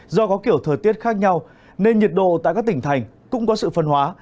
do có kiểu thời tiết khác nhau nên nhiệt độ tại các tỉnh thành cũng có sự phân hóa